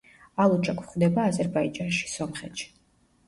ალუჩა გვხვდება აზერბაიჯანში, სომხეთში.